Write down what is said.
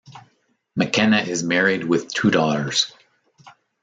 McKenna is married with two daughters.